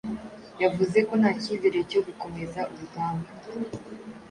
Yavuze ko nta cyizere cyo gukomeza urugamba.